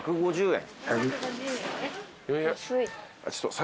４５０円。